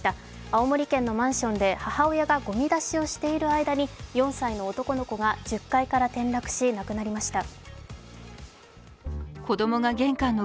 青森県のマンションで母親がごみ出しをしている間に４歳の男の子が１０階から転落し亡くなりました。